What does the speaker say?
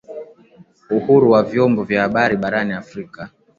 uhuru wa vyombo vya habari barani Afrika